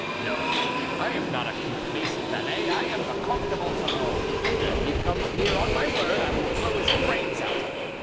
No, I am not a complaisant valet; I am the Comte de Monsoreau, and if he comes near, on my word, I will blow his brains out.